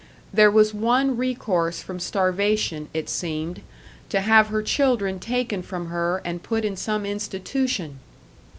There was one recourse from starvation, it seemed to have her children taken from her, and put in some institution!